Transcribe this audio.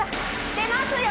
出ますよ！